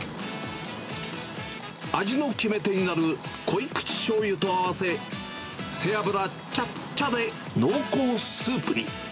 味の決め手になる濃い口しょうゆと合わせ、背脂ちゃっちゃっで、濃厚スープに。